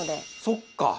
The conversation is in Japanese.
そっか！